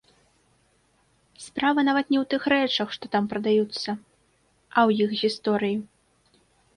Справа, нават, не ў тых рэчах, што там прадаюцца, а ў іх гісторыі.